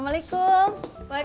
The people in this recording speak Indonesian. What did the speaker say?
tidak tidak tidak